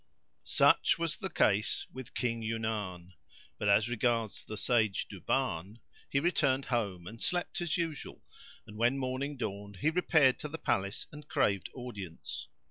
Such was the case with King Yunan, but as regards the sage Duban, he returned home and slept as usual and when morning dawned he repaired to the palace and craved audience.